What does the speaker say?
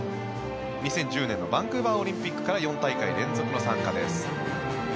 ２０１０年のバンクーバーオリンピックから４大会連続の参加です。